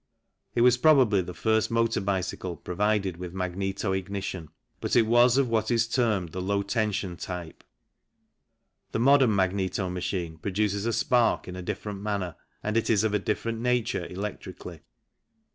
It was probably the first THE MOTOR CYCLE 107 motor bicycle provided with magneto ignition, but it was of what is termed the low tension type. The modern magneto machine produces a spark in a different manner and it is of a different nature electrically.